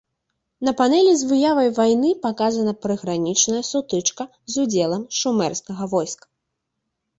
На панэлі з выявай вайны паказана прыгранічная сутычка з удзелам шумерскага войска.